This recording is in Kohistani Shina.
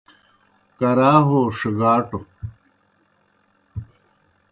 کرا ہو ݜِگاٹوْ